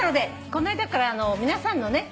この間から皆さんのね